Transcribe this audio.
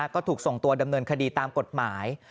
ก็ถูกส่งตัวดำเนินคดีตามกฎหมาย